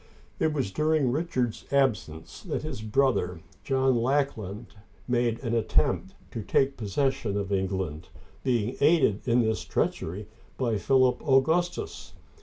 It was during Richard's absence that his brother, John Lackland, made an attempt to take possession of England, being aided in this treachery by Philip Augustus.